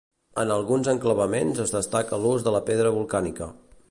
En alguns enclavaments es destaca l'ús de la pedra volcànica.